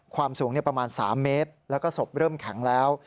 ความสูงประมาณ๓เมตรแล้วก็ศพเริ่มแข็งแล้ว